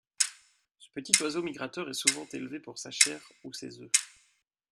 Ce petit oiseau migrateur est souvent élevé pour sa chair ou ses œufs.